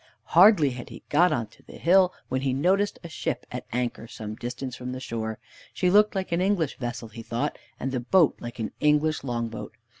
Hardly had he got on to the hill when he noticed a ship at anchor some distance from the shore. She looked like an English vessel, he thought, and the boat like an English long boat.